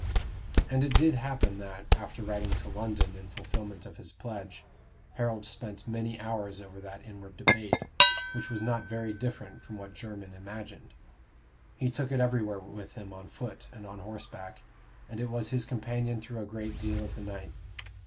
And it did happen that, after writing to London in fulfillment of his pledge, Harold spent many hours over that inward debate, which was not very different from what Jermyn imagined. He took it everywhere with him on foot and on horseback, and it was his companion through a great deal of the night.